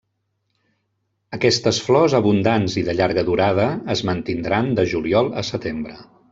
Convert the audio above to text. Aquestes flors abundants i de llarga durada es mantindran de juliol a setembre.